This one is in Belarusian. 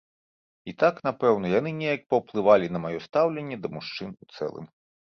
І так, напэўна, яны неяк паўплывалі на маё стаўленне да мужчын у цэлым.